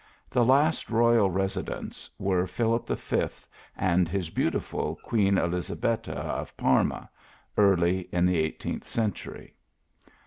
The last royal residents were Philip V. and his beautiful Queen Elizabetta, of Parma, early in the eighteenth cen tury.